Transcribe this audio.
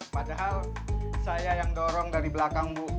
padahal saya yang dorong dari belakang bu